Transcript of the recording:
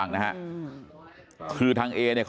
มันต้องการมาหาเรื่องมันจะมาแทงนะ